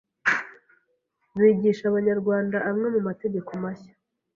bigisha Abanyarwanda amwe mu mategeko mashya